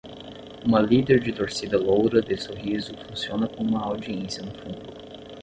Uma líder de torcida loura de sorriso funciona com uma audiência no fundo.